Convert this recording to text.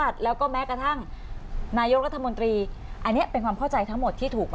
สวมีอำนาจ